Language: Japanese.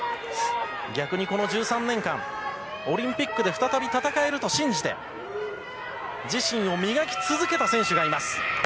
逆にこの１３年間オリンピックで再び戦えると信じて自身を磨き続けた選手がいます。